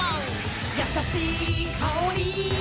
「やさしいかおり」「」